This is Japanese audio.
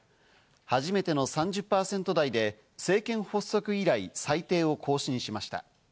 初めての３０％台で、政権発足以来、最低を更新しました。